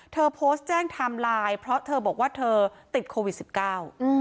เธอโพสต์แจ้งไทม์ไลน์เพราะเธอบอกว่าเธอติดโควิดสิบเก้าอืม